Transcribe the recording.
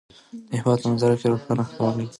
د هېواد په منظره کې ښارونه ښکاره دي.